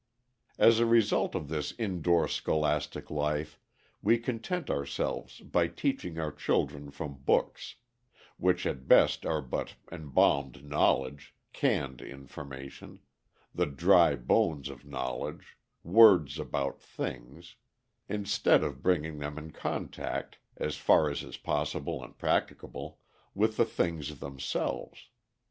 As a result of this indoor scholastic life, we content ourselves by teaching our children from books, which at best are but embalmed knowledge, canned information, the dry bones of knowledge, words about things, instead of bringing them in contact (as far as is possible and practicable) with the things themselves.